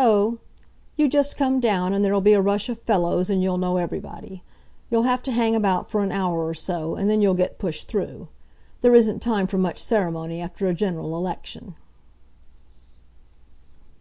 "Oh; you just come down, and there'll be a rush of fellows, and you'll know everybody. You'll have to hang about for an hour or so, and then you'll get pushed through. There isn't time for much ceremony after a general election."